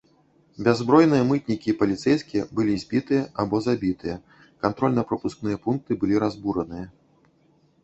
Бяззбройныя мытнікі і паліцэйскія былі збітыя або забітыя, кантрольна-прапускныя пункты былі разбураныя.